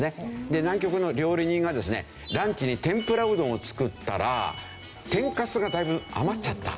で南極の料理人がですねランチに天ぷらうどんを作ったら天かすがだいぶ余っちゃった。